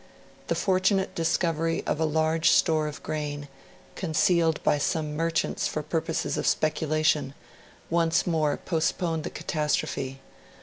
The fortunate discovery of a large store of grain, concealed by some merchants for purposes of speculation, once more postponed the catastrophe.